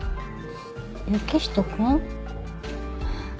行人君？